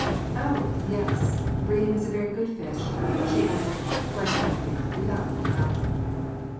"Oh, yes! bream is a very good fish," answered she, phlegmatically, without looking up.